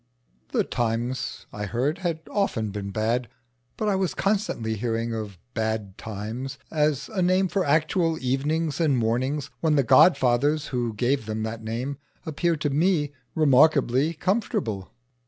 The times, I heard, had often been bad; but I was constantly hearing of "bad times" as a name for actual evenings and mornings when the godfathers who gave them that name appeared to me remarkably comfortable.